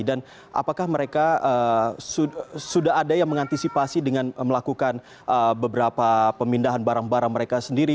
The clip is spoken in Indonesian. dan apakah mereka sudah ada yang mengantisipasi dengan melakukan beberapa pemindahan barang barang mereka sendiri